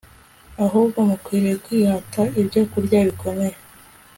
Ahubwo mukwiriye kwihata ibyokurya bikomeye